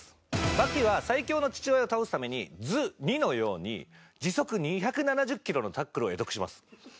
刃牙は最強の父親を倒すために図２のように時速２７０キロのタックルを会得します。